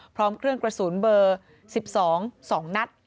พร้อมเครื่องกระสุนเบอร์๑๒๒นัด